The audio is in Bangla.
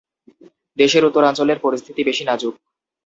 দেশের উত্তরাঞ্চলের পরিস্থিতি বেশি নাজুক।